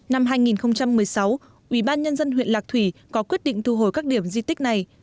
năm hai nghìn một mươi sáu ubnd huyện lạc thủy có quyết định thu hồi các điểm di tích này